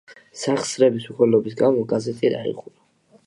სახსრების უქონლობის გამო გაზეთი დაიხურა.